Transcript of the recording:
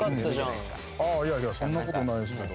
いやいやそんなことないですけど。